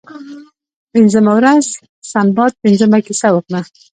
پنځمه ورځ سنباد پنځمه کیسه وکړه.